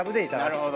なるほど。